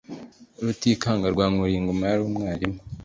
Rutikanga rwa Nkuliyingoma yar’ Umwiru